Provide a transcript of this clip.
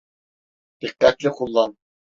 Dikkatli kullan.